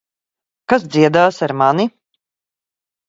Kas dziedās ar mani?